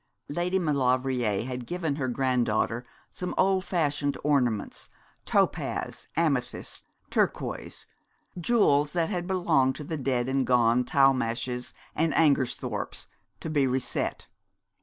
Lady Maulevrier had given her granddaughter some old fashioned ornaments, topaz, amethysts, turquoise jewels that had belonged to dead and gone Talmashes and Angersthorpes to be reset.